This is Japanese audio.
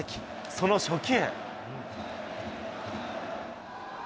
その初球。